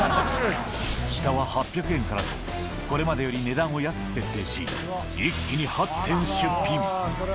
下は８００円からと、これまでより値段を安く設定し、一気に８点出品。